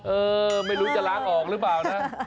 เออไม่รู้จะล้างออกหรือเปล่านะ